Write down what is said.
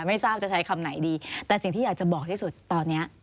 ไม่ทราบจะใช้คำไหนดีแต่สิ่งที่อยากจะบอกที่สุดตอนนี้